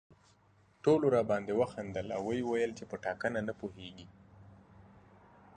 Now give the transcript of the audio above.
ټولو راباندې وخندل او ویې ویل په ټاکنه نه پوهېږي.